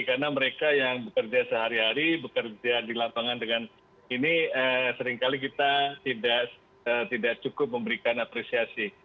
karena mereka yang bekerja sehari hari bekerja di lapangan dengan ini seringkali kita tidak cukup memberikan apresiasi